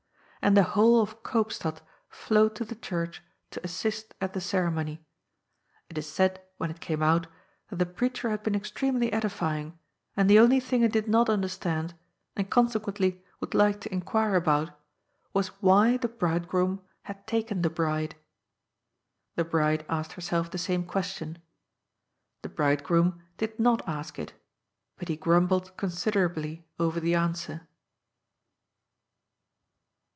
And the whole of Koopstad flowed to the church ^^ to assist " at the ceremony. It is said, when it came ont, that the preacher had been extremely edifying, and the only thing it did not understand and consequently would like to inquire about was why the bridegroom had taken the bride. The bride asked herself the same question. The bridegroom did not ask it, but he grumbled considerably over the answer.